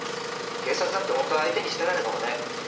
警察だってホントは相手にしてないのかもね。